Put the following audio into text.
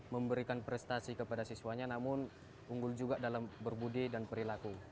memberikan prestasi kepada siswanya namun unggul juga dalam berbudi dan perilaku